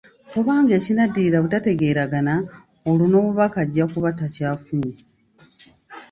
Kubanga ekinaddirira butategeeragana, olwo n’obubaka ajja kuba takyafunye.